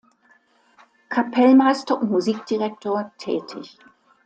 Kapellmeister und Musikdirektor tätig.